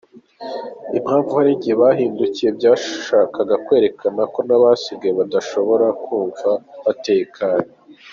Impamvu ari njye bahindukiriye byashakaga kwerekana ko n’abasigaye badashobora kumva batekanye.”